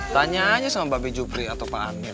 tanya aja sama mbak be jupri atau pak amin